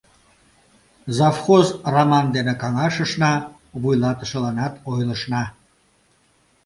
Завхоз Раман дене каҥашышна, вуйлатышыланат ойлышна.